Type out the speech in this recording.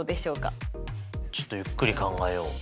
ちょっとゆっくり考えよう。